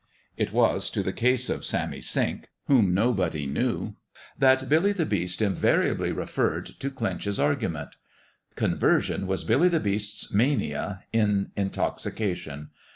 It was to the case of Sammy Sink whom nobody knew that Billy the Beast invariably referred to clinch his argu ment. Conversion was Billy the Beast's mania in intoxication.